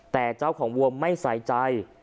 แต่เจ้าของวัวไม่ใส่ใจ